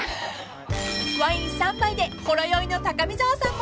［ワイン３杯でほろ酔いの高見沢さんも挑戦］